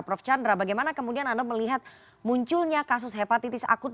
prof chandra bagaimana kemudian anda melihat munculnya kasus hepatitis akut